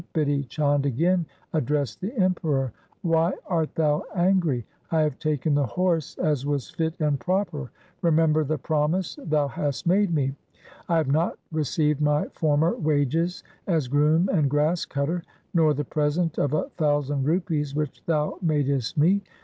Bidhi Chand again addressed the Emperor, ' Why art thou angry ? I have taken the horse, as was fit and proper. Remember the promise thou hast made me. I have not received my former wages as groom and grass cutter, nor the present of a thousand rupees which thou madest me.